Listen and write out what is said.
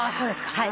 はい。